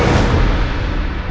aku harus menggunakan jurus dagak puspa